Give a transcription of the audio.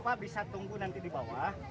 pak bisa tunggu nanti di bawah